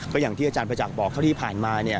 ก็อย่างที่อาจารย์ประจักษ์บอกเท่าที่ผ่านมาเนี่ย